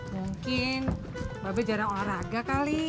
mungkin babi jarang olahraga kali